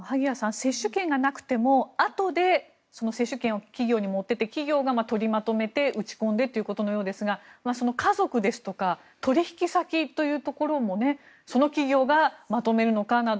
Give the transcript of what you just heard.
接種券がなくてもあとで接種券を企業に持っていって企業が取りまとめて、打ち込んでということのようですがその家族ですとか取引先というところもその企業がまとめるのかなど